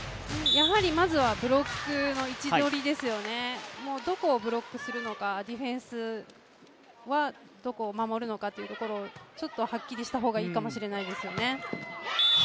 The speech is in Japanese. やはりまずはブロックの位置取りですよね、どこをブロックするのかディフェンスはどこを守るのかというところをはっきりした方がいいのかもしれないですね。